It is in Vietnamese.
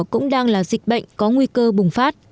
cũng đang là dịch bệnh có nguy cơ bùng phát